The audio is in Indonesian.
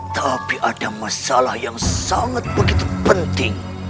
tapi ada masalah yang sangat begitu penting